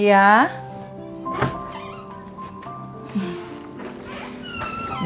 kita pulang ya